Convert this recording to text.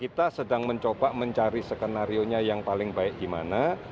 kita sedang mencoba mencari skenario nya yang paling baik gimana